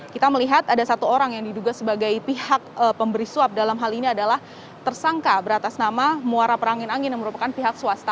kita melihat ada satu orang yang diduga sebagai pihak pemberi suap dalam hal ini adalah tersangka beratas nama muara perangin angin yang merupakan pihak swasta